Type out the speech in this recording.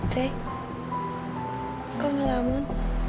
dre kau ngelamun